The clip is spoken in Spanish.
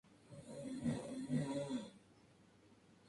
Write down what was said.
El espectro visible sólo va desde el rojo hasta el violeta.